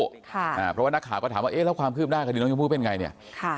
เพราะว่านักข่าก็ถามว่าความคืบหน้าคดีน้องชมพู่เป็นไงเนี่ย